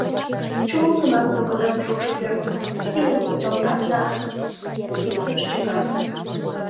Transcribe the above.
Чулым сонарзе кода шокшо пӧртым, киндым пычалтар ден иктыш чыка.